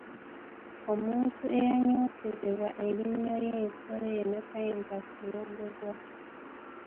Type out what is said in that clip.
Omuntu eyanyookezebwa erinnyo ly’ensolo eno tayinza kulogebwa.